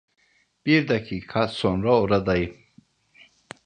Bir dakika sonra oradayım.